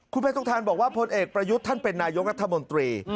คุณแพทองทานบอกว่าพลเอกประยุทธ์ท่านเป็นนายกรัฐมนตรี